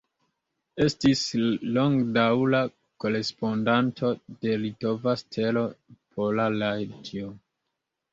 Estis longdaŭra korespondanto de "Litova Stelo", Pola Radio.